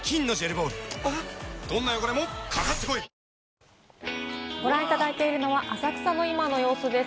⁉ＬＧ２１ご覧いただいているのは浅草の今の様子です。